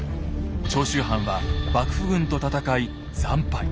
長州藩は幕府軍と戦い惨敗。